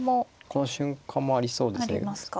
この瞬間もありそうですね。